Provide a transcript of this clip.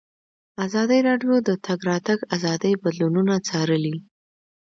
ازادي راډیو د د تګ راتګ ازادي بدلونونه څارلي.